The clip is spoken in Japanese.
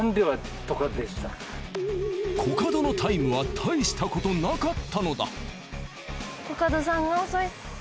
コカドのタイムはたいしたことなかったのだ。